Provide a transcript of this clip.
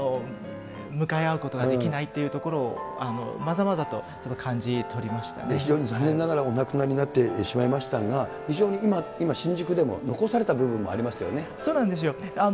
向かい合うことができないというところを、非常に残念ながら、お亡くなりになってしまいましたが、非常に今、新宿でも残された部分そうなんですよ。